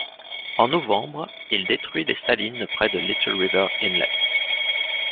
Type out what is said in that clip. En novembre, il détruit les salines près de Little River Inlet.